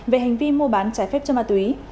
về hành vi mua bán trái phép chất ma túy